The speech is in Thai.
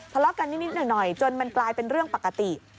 ทะเลาะกันนิดหน่อยจนมันกลายเป็นเรื่องปกติ